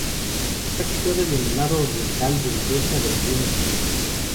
Está situado en el lado oriental del delta del río Misisipi.